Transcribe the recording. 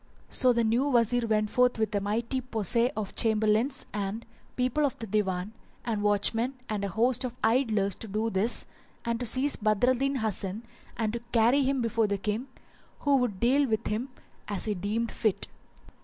So the new Wazir went forth with a mighty posse of Chamberlains and people of the Divan, and watchmen and a host of idlers to do this and to seize Badr al Din Hasan and carry him before the King, who would deal with him as he deemed fit.